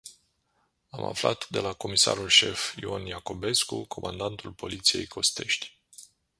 Am aflat de la comisarul șef Ion Iacobescu, comandantul Poliției Costești.